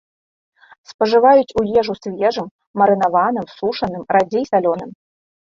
Спажываюць у ежу свежым, марынаваным, сушаным, радзей салёным.